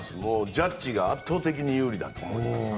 ジャッジが圧倒的に有利だと思います。